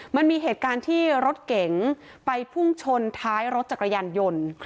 มันมีเหตุการณ์ที่รถเก๋งไปพุ่งชนท้ายรถจักรยานยนต์